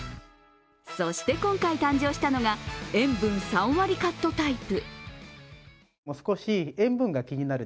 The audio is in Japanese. そして今回誕生したのが塩分３割カットタイプ。